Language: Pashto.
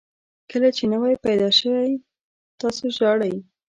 کله چې نوی پیدا شئ تاسو ژاړئ.